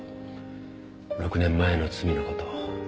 ６年前の罪の事。